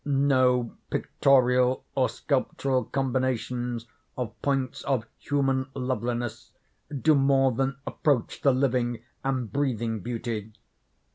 No pictorial or sculptural combinations of points of human liveliness do more than approach the living and breathing beauty.